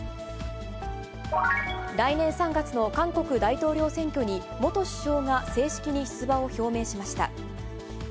来年３月の韓国大統領選挙に、元首相が正式に出馬を表明しました。